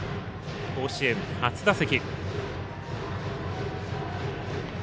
甲子園初打席。